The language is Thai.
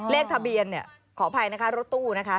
เลขทะเบียนขออภัยนะคะรถตู้นะคะ